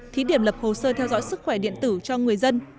thí điểm lập hồ sơ theo dõi sức khỏe điện tử cho người dân